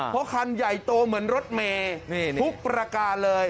เพราะคันใหญ่โตเหมือนรถเมย์ทุกประการเลย